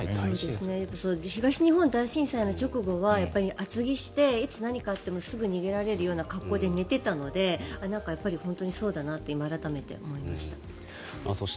東日本大震災の直後は厚着して、いつ何かあってもすぐ逃げられるような格好で寝ていたので本当にそうだなと今改めて思いました。